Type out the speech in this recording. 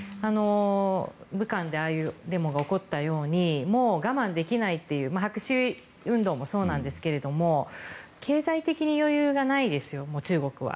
武漢でああいうデモが起こったようにもう我慢できないという白紙運動もそうなんですが経済的に余裕がないですよ中国は。